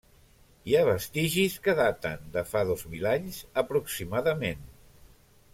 Hi ha vestigis que daten de fa dos mil anys aproximadament.